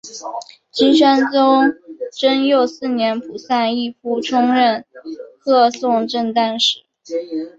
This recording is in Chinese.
金宣宗贞佑四年仆散毅夫充任贺宋正旦使。